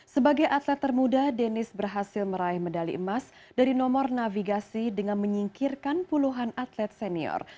sebagai atlet termuda deniz berhasil meraih medali emas dari nomor navigasi dengan menyingkirkan puluhan atlet senior